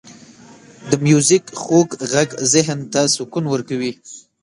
• د میوزیک خوږ ږغ ذهن ته سکون ورکوي.